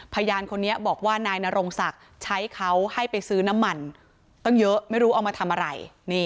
พยานคนนี้บอกว่านายนรงศักดิ์ใช้เขาให้ไปซื้อน้ำมันตั้งเยอะไม่รู้เอามาทำอะไร